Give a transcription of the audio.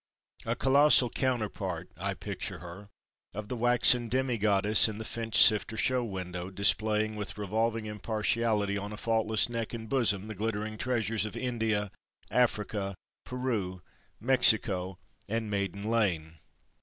A colossal counterpart (I picture her), of the waxen Demi Goddess in the Finchsifter show window displaying with revolving impartiality on a faultless neck and bosom the glittering treasures of India, Africa, Peru, Mexico and Maiden Lane.